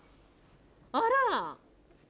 あら！